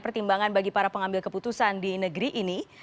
pertimbangan bagi para pengambil keputusan di negeri ini